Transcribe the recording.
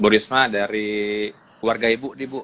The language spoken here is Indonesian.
bu risma dari keluarga ibu nih bu